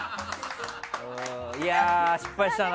いや失敗したな。